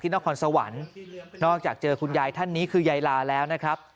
นครสวรรค์นอกจากเจอคุณยายท่านนี้คือยายลาแล้วนะครับ